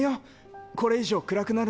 これ以上暗くなるのは！